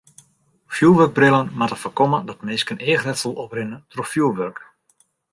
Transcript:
Fjoerwurkbrillen moatte foarkomme dat minsken eachletsel oprinne troch fjoerwurk.